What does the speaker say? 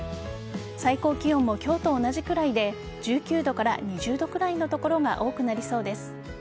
最高気温も今日と同じくらいで１９度から２０度くらいの所が多くなりそうです。